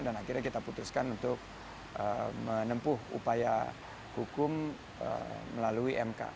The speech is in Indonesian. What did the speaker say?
dan akhirnya kita putuskan untuk menempuh upaya hukum melalui mk